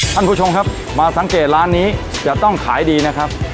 ท่านผู้ชมครับมาสังเกตร้านนี้จะต้องขายดีนะครับ